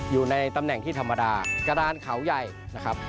อยู่ในตำแหน่งที่ธรรมดากระดานเขาใหญ่นะครับ